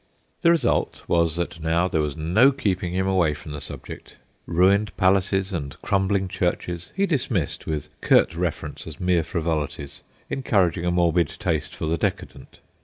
The result was that now there was no keeping him away from the subject. Ruined palaces and crumbling churches he dismissed with curt reference as mere frivolities, encouraging a morbid taste for the decadent.